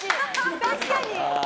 確かに！